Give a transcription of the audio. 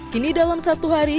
kini dalam satu hari